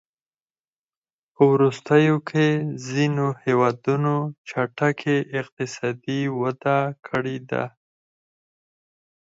په وروستیو کې ځینو هېوادونو چټکې اقتصادي وده کړې ده.